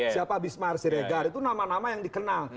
siapa bismar si regar itu nama nama yang dikenal